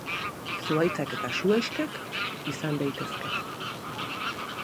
Zuhaitzak edo zuhaixkak izan daitezke.